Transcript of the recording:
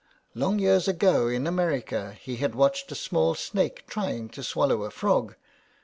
Long years ago in America he had watched a small snake trying to swallow a frog.